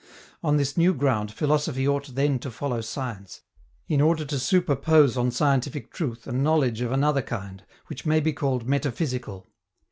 On this new ground philosophy ought then to follow science, in order to superpose on scientific truth a knowledge of another kind, which may be called metaphysical.